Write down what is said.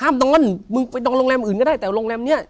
ตรงนั้นมึงไปนอนโรงแรมอื่นก็ได้แต่โรงแรมนี้